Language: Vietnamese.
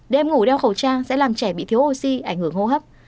đêm ngủ đeo khẩu trang sẽ làm trẻ bị thiếu oxy ảnh hưởng hô hấp